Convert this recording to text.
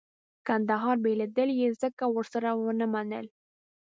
کندهار بېلېدل یې ځکه ورسره ونه منل.